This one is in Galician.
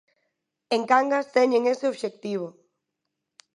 En Cangas teñen ese obxectivo.